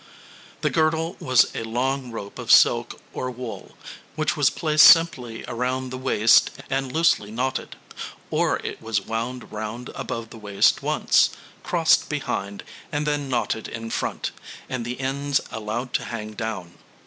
The girdle was a long rope of silk or wool, which was placed simply round the waist and loosely knotted; or it was wound round above the waist once, crossed behind, and then knotted in front, and the ends allowed to hang down.